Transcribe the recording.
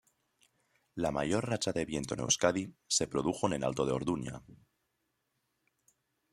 La mayor racha de viento en Euskadi se produjo en el alto de Orduña.